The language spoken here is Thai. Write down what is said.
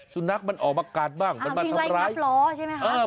สุนัขมันออกประกาศบ้างมันทำไรมางับล้อใช่ไหมครับ